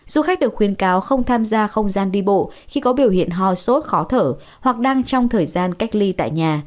du khách được khuyên cáo không tham gia không gian đi bộ khi có biểu hiện ho sốt khó thở hoặc đang trong thời gian cách ly tại nhà